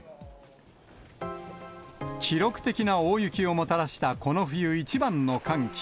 記録的な大雪をもたらしたこの冬一番の寒気。